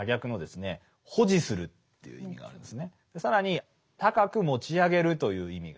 更に高く持ち上げるという意味があります。